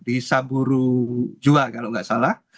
di saburu jua kalau nggak salah